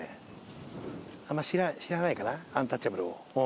あんま知らないかなアンタッチャブルを。